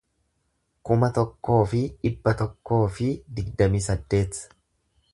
kuma tokkoo fi dhibba tokkoo fi digdamii saddeet